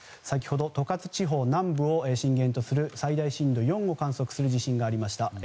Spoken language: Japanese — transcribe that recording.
先ほど十勝地方南部を震源とする最大震度４を観測する地震がありました。